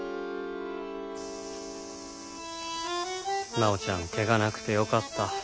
真央ちゃん怪我なくてよかった。